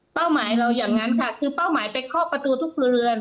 หมายเราอย่างนั้นค่ะคือเป้าหมายไปเคาะประตูทุกครัวเรือน